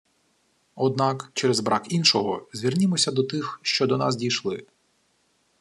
Однак, через брак іншого, звернімося до тих, що до нас дійшли